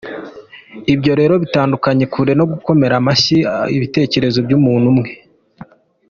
Ibyo rero bitandukanye kure no gukomera amashyi ibitekerezo by’umuntu umwe.